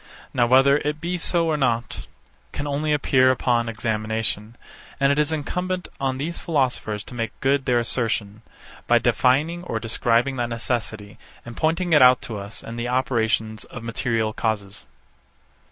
Now whether it be so or not, can only appear upon examination; and it is incumbent on these philosophers to make good their assertion, by defining or describing that necessity, and pointing it out to us in the operations of material causes.